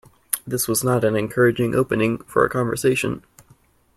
This was not an encouraging opening for a conversation.